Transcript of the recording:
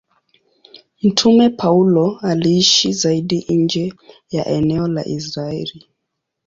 Mtume Paulo aliishi zaidi nje ya eneo la Israeli.